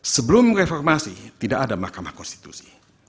sebelum reformasi tidak ada mahkamah konstitusi